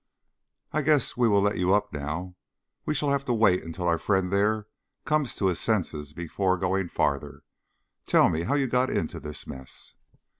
"I guess we will let you up now. We shall have to wait until our friend there comes to his senses before going farther. Tell me how you got into this mess."